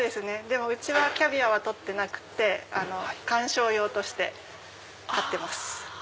でもうちはキャビアは取ってなくって観賞用として飼ってます。